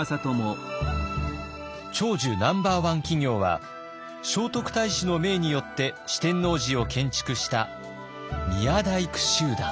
長寿ナンバーワン企業は聖徳太子の命によって四天王寺を建築した宮大工集団。